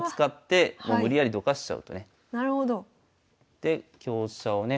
で香車をね